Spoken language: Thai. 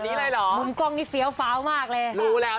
มุมกล้องอีเปียวเผามากเลย